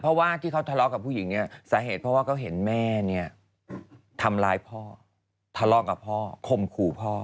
เพราะว่าที่เขาทะเลาะกับผู้หญิงเนี่ยสาเหตุเพราะว่าเขาเห็นแม่เนี่ยทำร้ายพ่อทะเลาะกับพ่อข่มขู่พ่อ